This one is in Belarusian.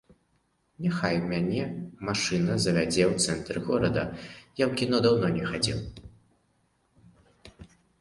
Няхай мяне машына завязе ў цэнтр горада, я ў кіно даўно не хадзіў.